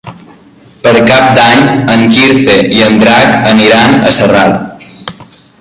Per Cap d'Any en Quirze i en Drac aniran a Sarral.